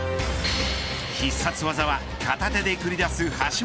必殺技は片手で繰り出す橋本